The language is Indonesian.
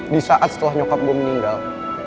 di saat setelah nyokap gue meninggal